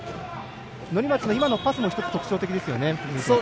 乗松の今のパスも特徴的ですね。